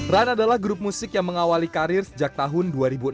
run adalah grup musik yang mengawali karir sejak tahun dua ribu enam